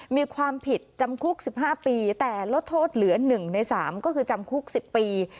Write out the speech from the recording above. มีความผิดจำคุก๑๕ปีแต่ลดโทษเหลือ๑ใน๓ก็คือจำคุก๑๐ปี